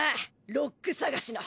ロック探しの。